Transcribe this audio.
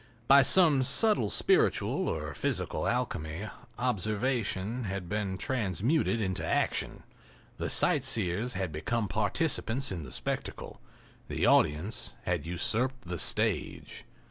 By some subtle spiritual or physical alchemy observation had been transmuted into action—the sightseers had become participants in the spectacle—the audience had usurped the stage.